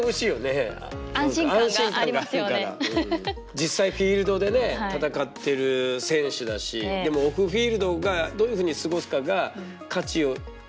実際フィールドでね戦ってる選手だしでもオフフィールドがどういうふうに過ごすかが価値なんだっていうのがね